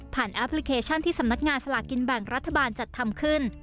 แอปพลิเคชันที่สำนักงานสลากินแบ่งรัฐบาลจัดทำขึ้น